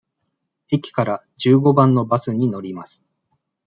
駅から十五番のバスに乗ります。